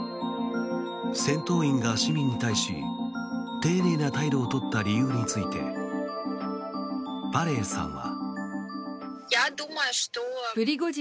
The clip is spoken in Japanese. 戦闘員が市民に対し丁寧な態度を取った理由についてパレイさんは。